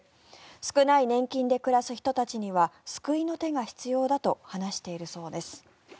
少ない年金で暮らす人たちには救いの手が必要だと話しているそうです。